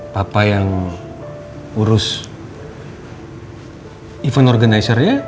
papa yang urus event organizer nya